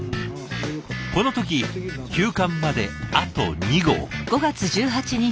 この時休刊まであと２号。